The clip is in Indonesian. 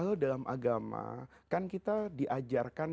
kalau dalam agama kan kita diajarkan